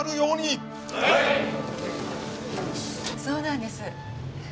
そうなんです。